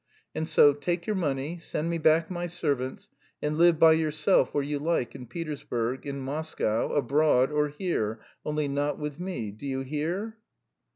And so, take your money, send me back my servants, and live by yourself where you like in Petersburg, in Moscow, abroad, or here, only not with me. Do you hear?"